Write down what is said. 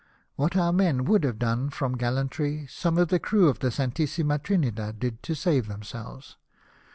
AVhat our men would have done from gallantry, some of the crew of the Santissima Trinidad did to save themselves.